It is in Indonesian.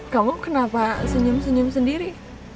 kamu kenapa senyum senyum sendiri